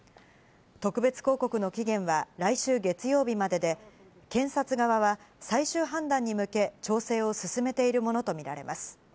特別抗告の期限は来週月曜日までで、検察側は最終判断に向け調整を進めているものとみられます。